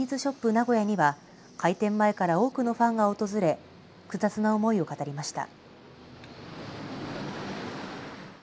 名古屋には開店前から多くのファンが訪れ複雑な思いを語りました。